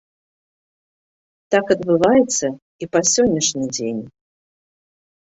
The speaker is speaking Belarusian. Так адбываецца і па сённяшні дзень.